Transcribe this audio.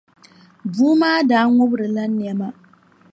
Bua maa daa ŋubirila nɛma.